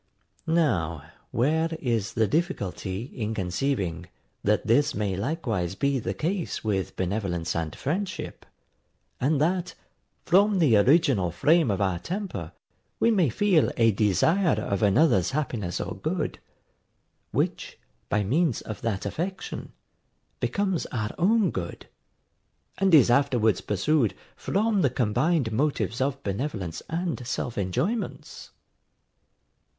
Now where is the difficulty in conceiving, that this may likewise be the case with benevolence and friendship, and that, from the original frame of our temper, we may feel a desire of another's happiness or good, which, by means of that affection, becomes our own good, and is afterwards pursued, from the combined motives of benevolence and self enjoyments?